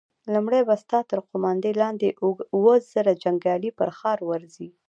لومړی به ستا تر قوماندې لاندې اووه زره جنيګالي پر ښار ورځي!